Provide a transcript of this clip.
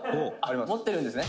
持ってるんですね」